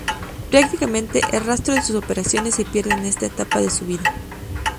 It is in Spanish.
Prácticamente el rastro de sus operaciones se pierde en esta etapa de su vida.